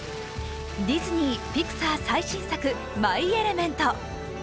ディズニー・ピクサー最新作「マイ・エレメント」。